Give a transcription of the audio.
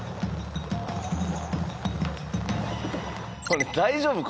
これ大丈夫？